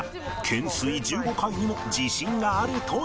懸垂１５回にも自信があるという。